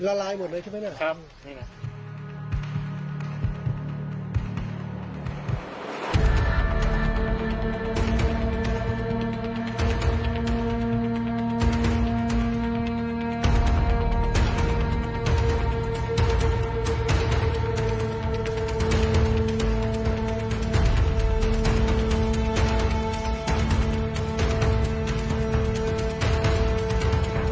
ละลายหมดเลยใช่ไหมเนี่ยครับนี่ไง